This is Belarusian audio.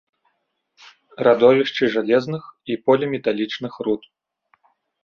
Радовішчы жалезных і поліметалічных руд.